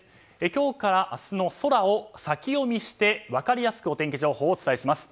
今日から明日の空を先読みして、分かりやすくお天気情報をお伝えします。